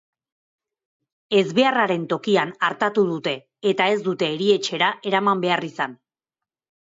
Ezbeharraren tokian artatu dute eta ez dute erietxera eraman behar izan.